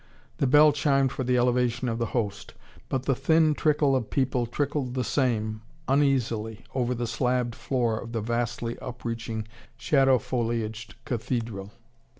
The bell chimed for the elevation of the Host. But the thin trickle of people trickled the same, uneasily, over the slabbed floor of the vastly upreaching shadow foliaged cathedral.